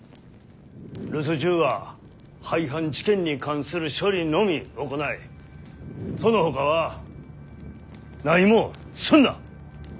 留守中は廃藩置県に関する処理のみ行いそのほかは何もすんな。